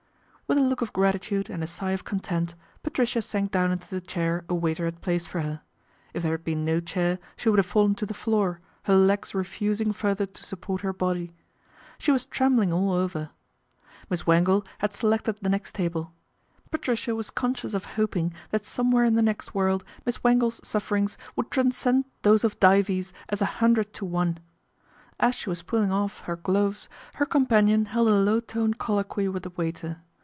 With a look of gratitude and a sigh of content, Patricia sank down into the chair a waiter had placed for her. If there had been no chair, she would have fallen to the floor, her legs refusing further to support her body. She was trembling all over. Miss Wangle had selected the next table. Patricia was conscious of hoping that somewhere in the next world Miss Wangle's suffer ings would transcend those of Dives as a hundred to one. As she was pulling off her gloves her companion held a low toned colloquy with the waiter.